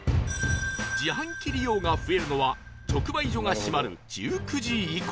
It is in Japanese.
自販機利用が増えるのは直売所が閉まる１９時以降